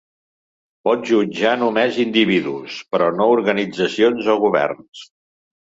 Pot jutjar només individus, però no organitzacions o governs.